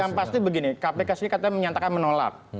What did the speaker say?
yang pasti begini kpk sendiri katanya menyatakan menolak